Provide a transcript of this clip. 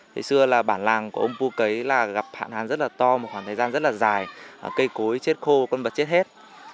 ngày xưa là bản làng của ông pu cấy là gặp hạn hán rất là to một khoảng thời gian rất là dài cây cối chết khô con vật chết hết